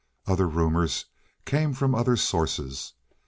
Other rumors came from other sources.